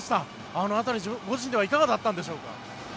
あの辺り、ご自身ではいかがだったんでしょうか。